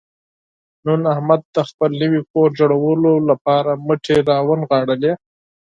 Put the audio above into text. نن احمد د خپل نوي کور جوړولو ته مټې را ونغاړلې.